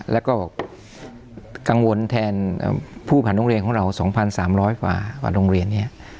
แล้วก็บอกกังวลแทนผู้ผ่านโรงเรียนของเรา๒๓๐๐กว่าโรงเรียนเนี่ย